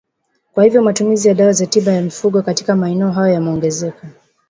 Kwa hivyo matumizi ya dawa za tiba ya mifugo katika maeneo hayo yameongezeka